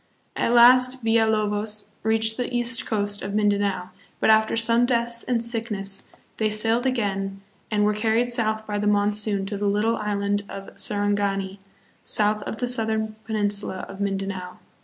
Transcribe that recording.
At last Villalobos reached the east coast of Mindanao, but after some deaths and sickness they sailed again and 118 THE PHILIPPINES. were carried south by the monsoon to the little island of Sarangani, south of the southern peninsula of Mindanao.